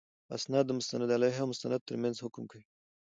اِسناد د مسندالیه او مسند تر منځ حکم کوي.